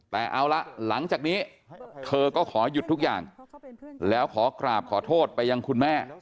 แต่เอาละหลังจากนี้เธอก็ขอหยุดทุกอย่างแล้วขอกราบขอโทษไปยังคุณแม่